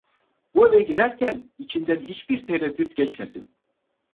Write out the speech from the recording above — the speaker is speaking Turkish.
Bu eve girerken içinden hiçbir tereddüt geçmesin...